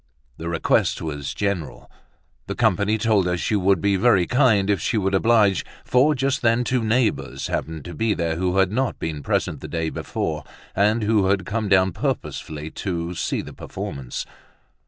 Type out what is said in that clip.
The request was general! The company told her she would be very kind if she would oblige, for just then two neighbors happened to be there who had not been present the day before, and who had come down purposely to see the performance.